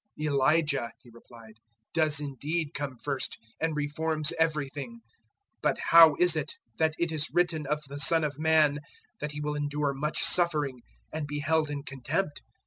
009:012 "Elijah," He replied, "does indeed come first and reforms everything; but how is it that it is written of the Son of Man that He will endure much suffering and be held in contempt?